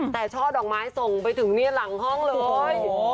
แต่ช่อดอกไม้ส่งไปถึงเนี่ยหลังห้องเลย